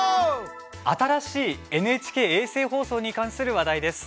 新しいＮＨＫ衛星放送に関する話題です。